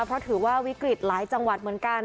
เพราะถือว่าวิกฤตหลายจังหวัดเหมือนกัน